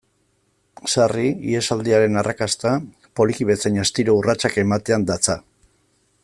Sarri, ihesaldiaren arrakasta, poliki bezain astiro urratsak ematean datza.